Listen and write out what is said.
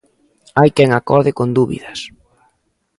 Hai quen acode con dúbidas.